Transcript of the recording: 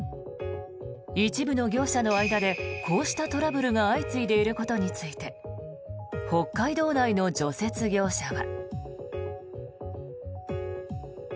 一部の業者の間でこうしたトラブルが相次いでいることについて北海道内の除雪業者は。